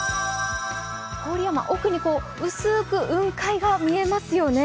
郡山、奥に薄く雲海が見えますよね。